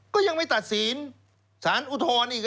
ก็ยังไม่ตัดสินสารอุทธรณ์อีก